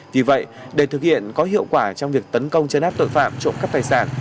vì vậy để thực hiện có hiệu quả trong việc tấn công chấn áp tội phạm trộm cắp tài sản